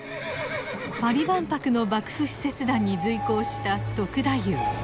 パリ万博の幕府使節団に随行した篤太夫。